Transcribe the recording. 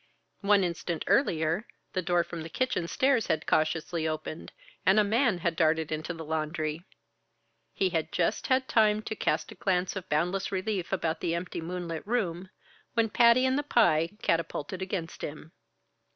One instant earlier, the door from the kitchen stairs had cautiously opened, and a man had darted into the laundry. He had just had time to cast a glance of boundless relief about the empty, moonlit room, when Patty and the pie catapulted against him.